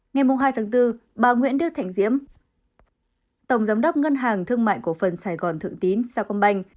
ngày hai bốn bà nguyễn đức thạnh diễm tổng giám đốc ngân hàng thương mại của phần sài gòn thượng tín sa công banh